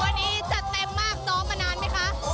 วันนี้จัดแปลงมากน้องมะนานมั้ยคะ